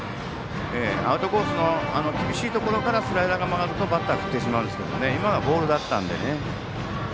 アウトコースの厳しいところからスライダーが曲がるとバッターは振ってしまいますが今のはボールだったのでね。